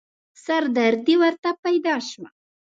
سردردې ورته پيدا شوه.